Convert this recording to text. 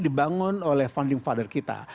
dibangun oleh founding father kita